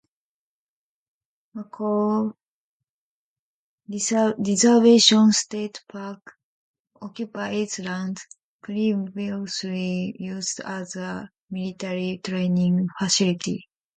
Macomb Reservation State Park occupies land previously used as a military training facility.